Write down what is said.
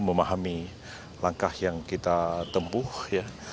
memahami langkah yang kita tempuh ya